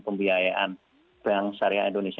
pembiayaan bank syariah indonesia